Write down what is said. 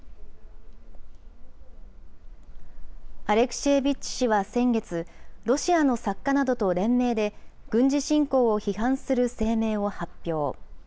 アレクシェービッチ氏は先月、ロシアの作家などと連名で、軍事侵攻を批判する声明を発表。